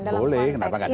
boleh kenapa enggak